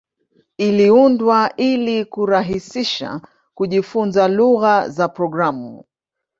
Iliundwa ili kurahisisha kujifunza lugha za programu.